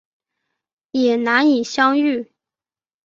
也难以相遇